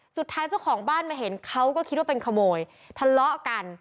เจ้าของบ้านมาเห็นเขาก็คิดว่าเป็นขโมยทะเลาะกัน